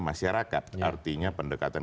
masyarakat artinya pendekatan